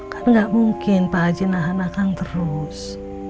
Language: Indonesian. kan gak mungkin pak ajin nahan akang terus